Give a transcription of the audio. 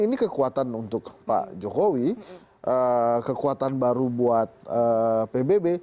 ini kekuatan untuk pak jokowi kekuatan baru buat pbb